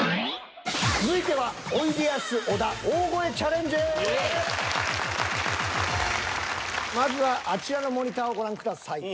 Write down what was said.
続いてはまずはあちらのモニターをご覧ください。